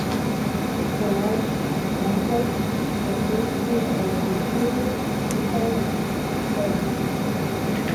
The Night Market consists of two different sections.